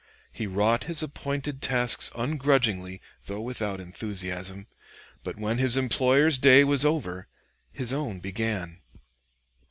He wrought his appointed tasks ungrudgingly, though without enthusiasm; but when his employer's day was over, his own began.